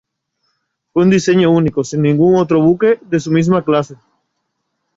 Fue un diseño único, sin ningún otro buque de su misma clase.